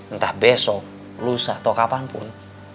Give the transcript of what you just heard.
entah besok lusa atau kapanpun